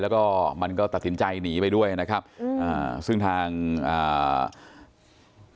แล้วก็มันก็ตัดสินใจหนีไปด้วยนะครับอืมอ่าซึ่งทางอ่า